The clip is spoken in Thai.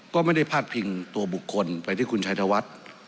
ก็ไม่ได้พาดพิงตัวบุคคลไปที่คุณชัยธวัฒน์